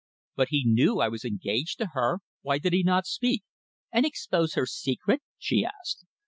"But he knew I was engaged to her! Why did he not speak?" "And expose her secret?" she asked.